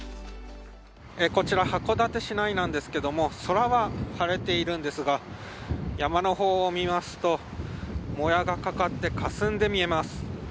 こちら函館市内なんですけれども空は晴れているんですが、山の方を見ますと、もやがかかってかすんで見えます。